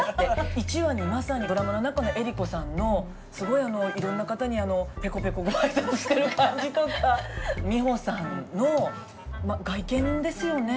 １話にまさにドラマの中の江里子さんのすごいいろんな方にペコペコご挨拶してる感じとか美穂さんの外見ですよね。